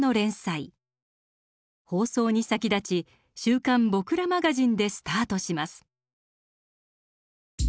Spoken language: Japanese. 放送に先立ち「週刊ぼくらマガジン」でスタートします。